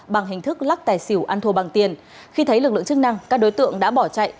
bằng hình thức lắc tài xỉu ăn thua bằng tiền khi thấy lực lượng chức năng các đối tượng đã bỏ chạy